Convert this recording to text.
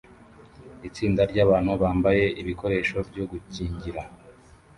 Itsinda ryabantu bambaye ibikoresho byo gukingira